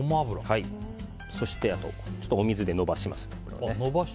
そしてちょっとお水でのばします。